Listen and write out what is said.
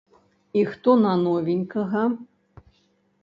І хто на новенькага?